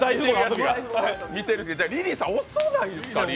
リリーさん遅ないですか？